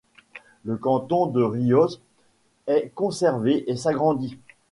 Le canton de Rioz est conservé et s'agrandit.